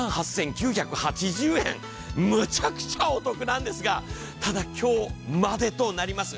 １万８９８０円、むちゃくちゃお得なんですが、ただ、今日までとなります。